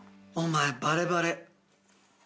お前バレバレ。